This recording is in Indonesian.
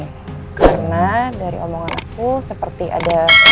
jadi sekarang kalau misalnya ada yang mengganjal di hati kamu ada yang bikin kamu ngajak